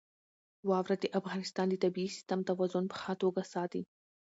واوره د افغانستان د طبعي سیسټم توازن په ښه توګه ساتي.